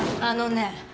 あのね！